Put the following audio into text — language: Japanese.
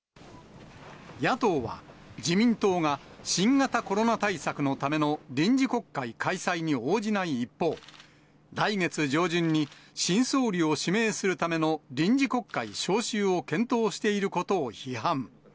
野党は、自民党が新型コロナ対策のための臨時国会開催に応じない一方、来月上旬に新総理を指名するための臨時国会召集を検討していることを批判。